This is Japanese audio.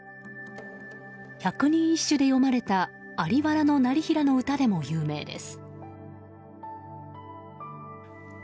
百人一首で詠まれた在原業平の歌でも有名です。